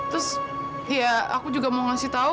terus ya aku juga mau ngasih tau